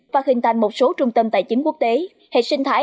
và hình thành một số trung tâm tài chính quốc tế hệ sinh thái